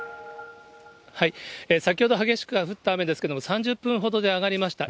先ほど激しく降った雨ですけれども、３０分ほどで上がりました。